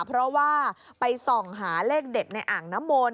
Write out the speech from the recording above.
เพราะว่าไปส่องหาเลขเด็ดในอังนบน